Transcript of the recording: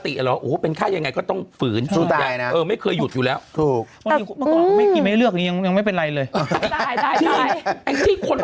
ไม่เลือกยังไม่เป็นไรเลยตายตายตายที่คนเราจะบอกว่าดูซิไปกินเนี้ย